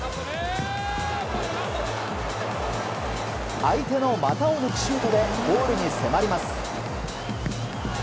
相手の股を抜くシュートでゴールに迫ります。